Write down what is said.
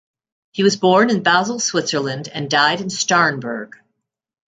He was born in Basel, Switzerland and died in Starnberg.